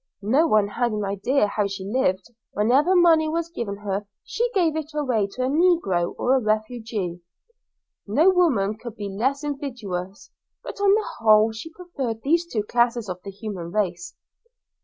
No one had an idea how she lived; whenever money was given her she gave it away to a negro or a refugee. No woman could be less invidious, but on the whole she preferred these two classes of the human race.